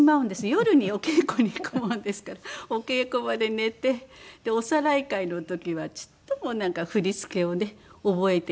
夜にお稽古に行くものですからお稽古場で寝ておさらい会の時はちっとも振り付けをね覚えていない子だったんですよ。